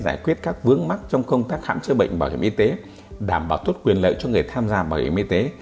giải quyết các vướng mắt trong công tác hãm chữa bệnh bảo hiểm y tế đảm bảo thuất quyền lợi cho người tham gia bảo hiểm y tế